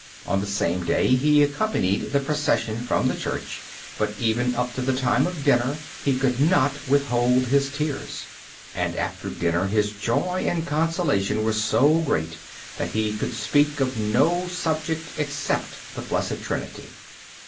On the same day he accompanied the procession from the church, but even up to the time of dinner he could not withhold his tears, and after dinner his joy and consolation were so great that he could speak of no subject except the Blessed Trinity.